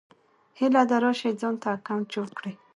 هيله ده راشٸ ځانته اکونټ جوړ کړى